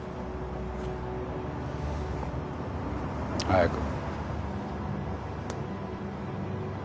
早く。